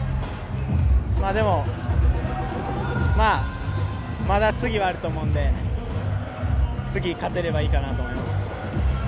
でも、まぁ、まだ次はあると思うので、次勝てればいいかなと思います。